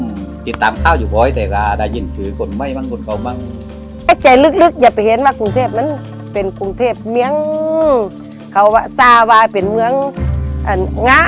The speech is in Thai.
ผมติดตามข้าวอยู่บ่อยแต่ก็ได้ยินจุดคนไว้มั้งคนเค้ามั้ง